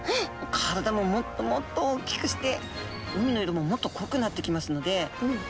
体ももっともっと大きくして海の色ももっと濃くなってきますのではい。